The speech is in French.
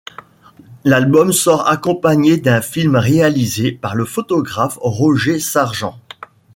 L'album sort accompagné d'un film réalisé par le photographe Roger Sargent.